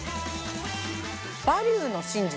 「バリューの真実」